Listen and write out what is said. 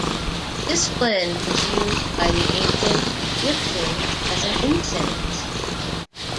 This blend was used by the ancient Egyptians as an incense.